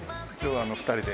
２人で？